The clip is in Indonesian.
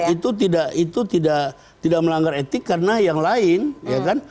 itu kan tidak itu tidak melanggar etik karena yang lain ya kan